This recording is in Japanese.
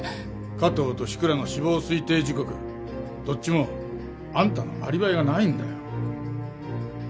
加藤と志倉の死亡推定時刻どっちもあんたのアリバイがないんだよ。